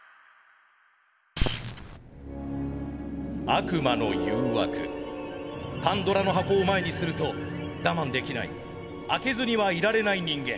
悪魔の誘惑パンドラの箱を前にすると我慢できない開けずにはいられない人間。